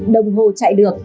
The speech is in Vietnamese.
đồng hồ chạy được